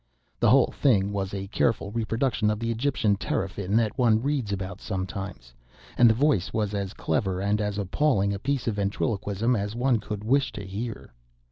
The whole thing was a careful reproduction of the Egyptian teraphin that one reads about sometimes; and the voice was as clever and as appalling a piece of ventriloquism as one could wish to hear.